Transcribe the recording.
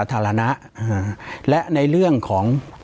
ปากกับภาคภูมิ